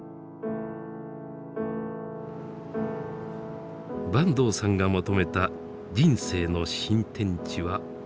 坂東さんが求めた人生の新天地は中国でした。